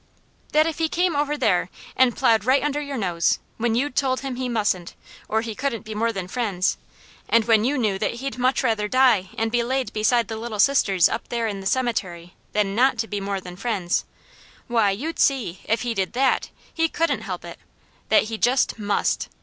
"That if he came over there, and plowed right under your nose, when you'd told him he mustn't, or he couldn't be more than friends; and when you knew that he'd much rather die and be laid beside the little sisters up there in the cemetery than to NOT be more than friends, why, you'd see, if he did THAT, he couldn't help it, that he just MUST.